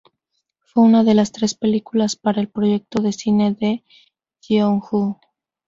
Fue una de las tres películas para el Proyecto de Cine de Jeonju.